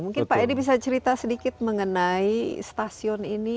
mungkin pak edi bisa cerita sedikit mengenai stasiun ini